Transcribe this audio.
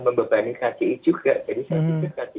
membebani kci juga jadi saya pikir tadi